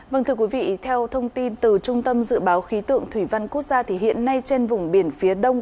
vâng thưa quý vị theo thông tin từ trung tâm dự báo khí tượng thủy văn quốc gia thì hiện nay trên vùng biển phía đông